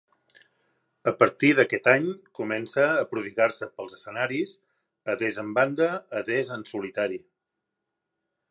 A partir d'aquest any comença a prodigar-se pels escenaris, adés amb banda, adés en solitari.